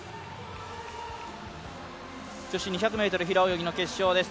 女子２００ｍ平泳ぎの決勝です。